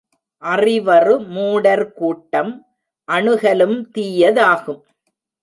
அறிவறு மூடர் கூட்டம் அணுகலும் தீய தாகும்.